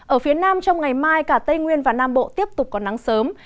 ở phía nam trong ngày mai cả tây nguyên và nam bộ tiếp tục có nắng sớm